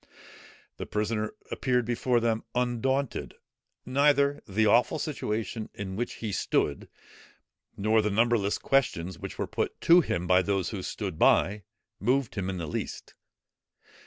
The prisoner appeared before them undaunted. Neither the awful situation in which he stood, nor the numberless questions which were put to him by those who stood by, moved him in the least.